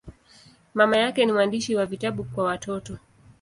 Mama yake ni mwandishi wa vitabu kwa watoto.